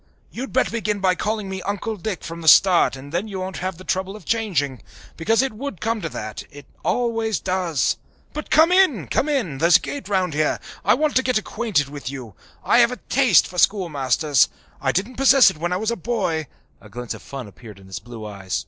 "You'd better begin by calling me Uncle Dick from the start and then you won't have the trouble of changing. Because it would come to that it always does. But come in, come in! There's a gate round here. I want to get acquainted with you. I have a taste for schoolmasters. I didn't possess it when I was a boy" (a glint of fun appeared in his blue eyes).